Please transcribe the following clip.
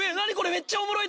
めっちゃおもろい！